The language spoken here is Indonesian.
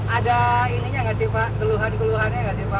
ada ininya nggak sih pak keluhan keluhannya nggak sih pak